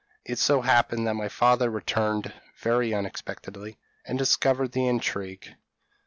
It so happened that my father returned very unexpectedly, and discovered the intrigue.